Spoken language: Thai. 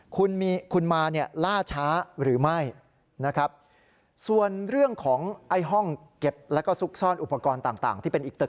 คุณมาล่าช้าหรือไม่